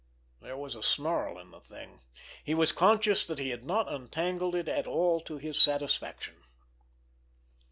There was a snarl in the thing. He was conscious that he had not untangled it at all to his satisfaction.